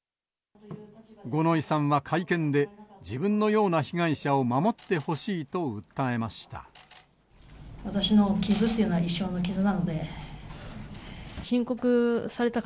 五ノ井さんは、会見で、自分のような被害者を守ってほしいと訴えました。